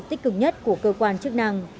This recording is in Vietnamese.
tích cực nhất của cơ quan chức năng